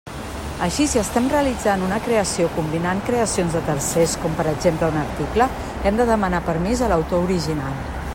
Així, si estem realitzant una creació combinant creacions de tercers, com per exemple un article, hem de demanar permís a l'autor original.